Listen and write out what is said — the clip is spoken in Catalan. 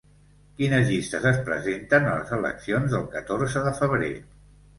Quines llistes es presenten a les eleccions del catorze de febrer?